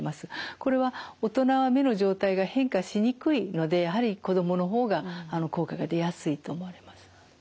これは大人は目の状態が変化しにくいのでやはり子どもの方が効果が出やすいと思われます。